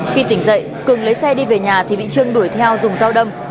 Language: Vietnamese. khi tỉnh dậy cường lấy xe đi về nhà thì bị trương đuổi theo dùng dao đâm